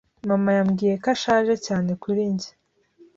Mama yambwiye ko ashaje cyane kuri njye.